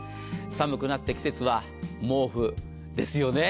寒くなって季節は毛布ですよね。